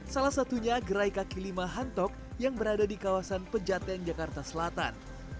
salah satunya gerai kaki lima hantok yang berada di kawasan pejaten jakarta selatan